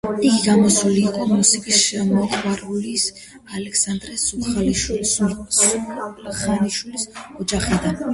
იგი გამოსული იყო მუსიკის მოყვარულის ალექსანდრე სულხანიშვილის ოჯახიდან.